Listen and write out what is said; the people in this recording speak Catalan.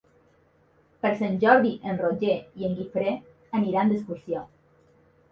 Per Sant Jordi en Roger i en Guifré aniran d'excursió.